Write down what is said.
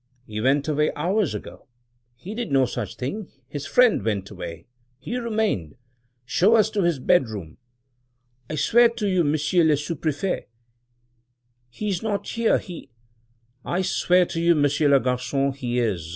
"He went away hours ago." "He did no such thing. His friend went away; he remained. Show us to his bedroom!" "I swear to you, Monsieur le Sous prefect, he is not here! he —" "I swear to you, Monsieur le Garcon, he is.